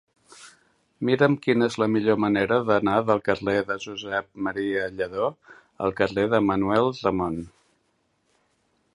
Mira'm quina és la millor manera d'anar del carrer de Josep M. Lladó al carrer de Manuel Ramon.